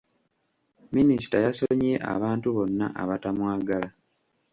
Minisita yasonyiye abantu bonna abatamwagala.